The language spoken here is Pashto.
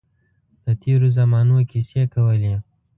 د تېرو زمانو کیسې کولې.